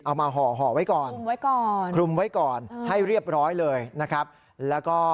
ห่อห่อไว้ก่อนคลุมไว้ก่อนให้เรียบร้อยเลยนะครับแล้วก็